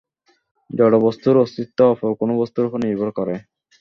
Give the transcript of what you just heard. জড়বস্তুর অস্তিত্ব অপর কোন বস্তুর উপর নির্ভর করে।